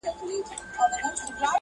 o اوربشي څه په مځکه، څه په جوال.